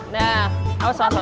nah awas awas awas